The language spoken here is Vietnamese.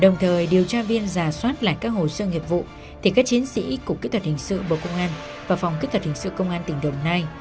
đồng thời điều tra viên giả soát lại các hồ sơ nghiệp vụ thì các chiến sĩ cục kỹ thuật hình sự bộ công an và phòng kỹ thuật hình sự công an tỉnh đồng nai